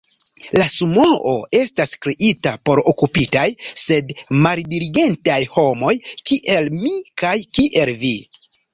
La Sumoo estas kreita por okupitaj, sed maldiligentaj homoj, kiel mi kaj kiel vi.